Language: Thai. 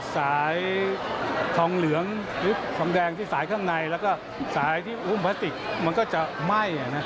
สายทองเหลืองหรือทองแดงที่สายข้างในแล้วก็สายที่อุ้มพลาสติกมันก็จะไหม้